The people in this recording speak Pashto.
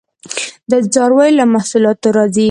د څارویو له محصولاتو راځي